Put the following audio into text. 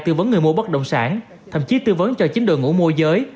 tư vấn người mua bất động sản thậm chí tư vấn cho chính đội ngũ môi giới